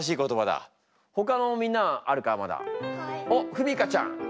おっふみかちゃん。